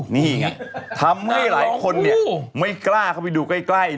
นี่ไงทำให้หลายคนไม่กล้าเข้าไปดูใกล้